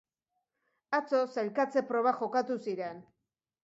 Atzo sailkatze probak jokatu ziren.